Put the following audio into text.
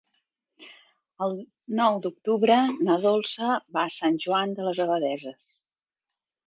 El nou d'octubre na Dolça va a Sant Joan de les Abadesses.